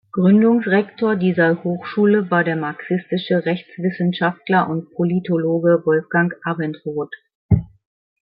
Gründungsrektor dieser Hochschule war der marxistische Rechtswissenschaftler und Politologe Wolfgang Abendroth.